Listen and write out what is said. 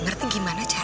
pergi dulu ya